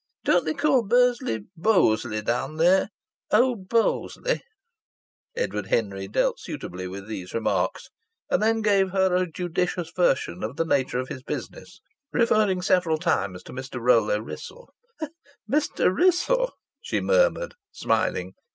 "Don't they call Bursley 'Bosley' down there 'owd Bosley'?" Edward Henry dealt suitably with these remarks, and then gave her a judicious version of the nature of his business, referring several times to Mr. Rollo Wrissell. "Mr. Wrissell!" she murmured, smiling.